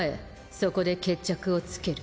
そこで決着をつける。